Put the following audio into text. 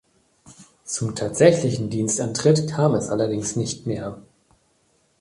Zum tatsächlichen Dienstantritt kam es allerdings nicht mehr.